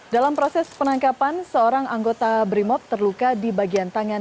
dalam proses penangkapan seorang anggota brimop terluka di bagian tangan